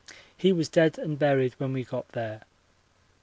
He was dead and buried when we got there.